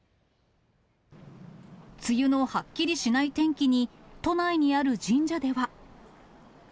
梅雨のはっきりしない天気に、都内にある神社では。